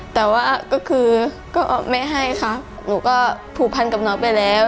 แต่ว่าก็คือก็ไม่ให้ค่ะหนูก็ผูกพันกับน้องไปแล้ว